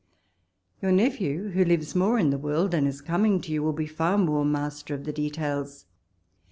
Your nephew, who lives more in the world, and is coming to you, will be far more master of the details.